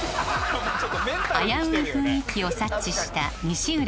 危うい雰囲気を察知した西浦